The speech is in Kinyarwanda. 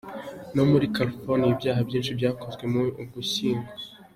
No muri California, ibyaha byinshi byakozwe mu Ugushyingo.